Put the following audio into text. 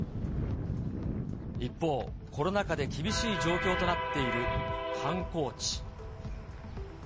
一方、コロナ禍で厳しい状況となっている観光地。